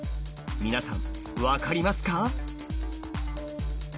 皆さん分かりますか？